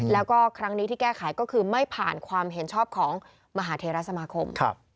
แล้วก็ครั้งนี้ที่แก้ไขก็คือไม่ผ่านความเห็นชอบของมหาเทราสมาคม